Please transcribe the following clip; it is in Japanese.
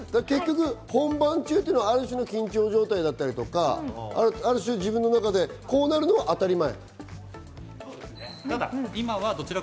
本番中というのはある種の緊張状態だったりとか、自分を中でこうなるのが当たり前？